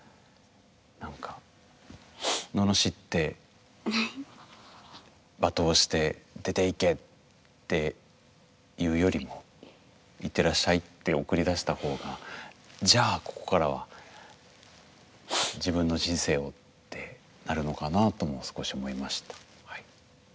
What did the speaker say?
なんか罵って罵倒して出て行けって言うよりもいってらっしゃいって送り出した方がじゃあここからは自分の人生をってなるのかなとも少し思いましたはい。